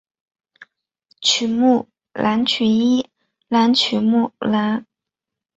曲目一览曲目一览曲目一览